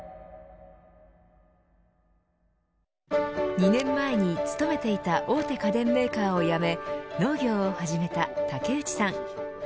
２年前に勤めていた大手家電メーカーを辞め農業を始めた竹内さん。